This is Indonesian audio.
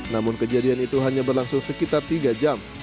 namun kejadian itu hanya berlangsung sekitar tiga jam